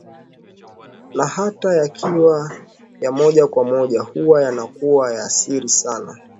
Na hata yakiwa ya moja kwa moja hua yanakuwa ya siri sana